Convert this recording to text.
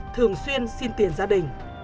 thường xuyên xin tiền gia đình